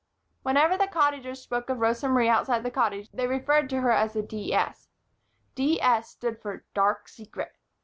Whenever the Cottagers spoke of Rosa Marie outside the Cottage they referred to her as the D. S. D. S. stood for "Dark Secret."